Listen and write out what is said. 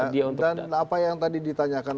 dan apa yang tadi ditanyakan